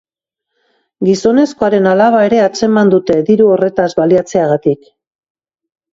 Gizonezkoaren alaba ere atzeman dute, diru horretaz baliatzeagatik.